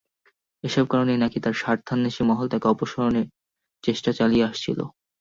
এসব কারণেই নাকি তাঁর স্বার্থান্বেষী মহল তাঁকে অপসারণের চেষ্টা চালিয়ে আসছিল।